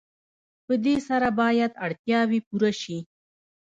په دې سره باید اړتیاوې پوره شي.